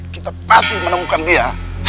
kita pasti menemukan dia